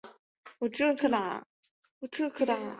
宋孝宗时参知政事。